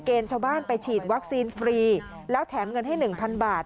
ชาวบ้านไปฉีดวัคซีนฟรีแล้วแถมเงินให้๑๐๐บาท